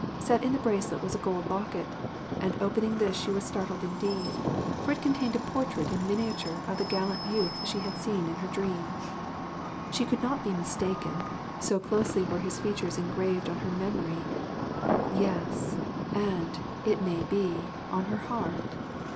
Set in the bracelet was a gold locket, and opening this she was startled indeed; for it contained a portrait in miniature of the gallant youth she had seen in her dream. She could not be mistaken; so closely were his features engraved on her memory yes, and, it may be, on her heart.